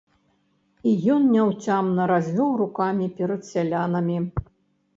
І ён няўцямна развёў рукамі перад сялянамі.